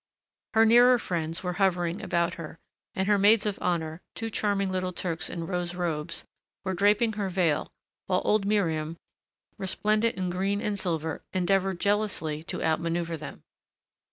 Her nearer friends were hovering about her, and her maids of honor, two charming little Turks in rose robes, were draping her veil while old Miriam, resplendent in green and silver, endeavored jealously to outmaneuver them.